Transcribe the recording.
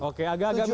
oke agak agak mirip